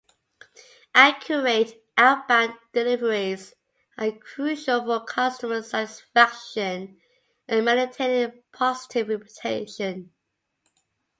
Accurate outbound deliveries are crucial for customer satisfaction and maintaining a positive reputation.